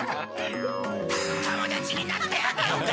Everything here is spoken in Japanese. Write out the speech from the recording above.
友達になってあげようか？